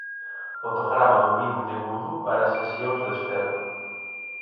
Fotograma do vídeo de Vudú para Sesións Destelo.